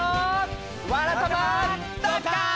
「わらたまドッカン」！